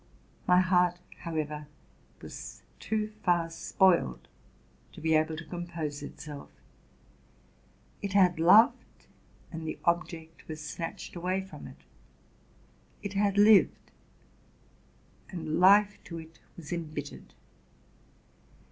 My heart, however, was too far spoiled to be able to compose itself: it had loved, and the object was snatched away from it; it had lived, and life to it was embittered.